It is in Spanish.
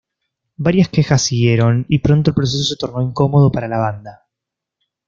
Varias quejas siguieron, y pronto el proceso se tornó incómodo para la banda.